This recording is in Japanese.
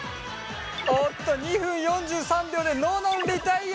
おっと２分４３秒でののんリタイア。